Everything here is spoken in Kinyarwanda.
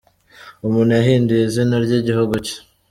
Umuntu yahinduye izina ry’igihugu cye